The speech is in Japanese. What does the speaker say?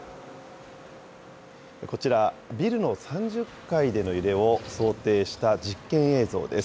こちら、ビルの３０階での揺れを想定した実験映像です。